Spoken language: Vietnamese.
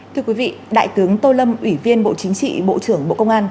thưa quý vị đại tướng tô lâm ủy viên bộ chính trị bộ trưởng bộ công an